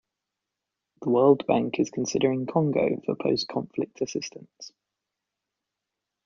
The World Bank is considering Congo for post-conflict assistance.